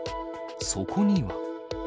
そこには。